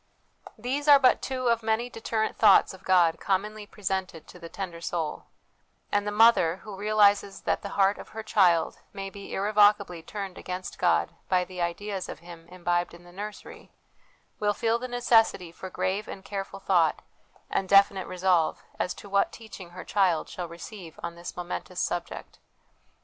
These are but two of many deterrent thoughts of God commonly presented to the tender soul ; and the mother, who realises that the heart of her child may be irrevocably turned against God by the ideas of Him imbibed in the nursery, will feel the necessity for grave and careful thought, and definite resolve, as to what teaching her child shall receive on this momentous subject.